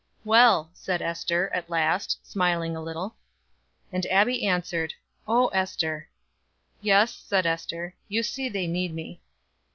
"Well," said Ester, at last, smiling a little. And Abbie answered: "Oh, Ester." "Yes," said Ester, "you see they need me."